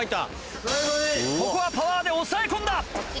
ここはパワーで抑え込んだ。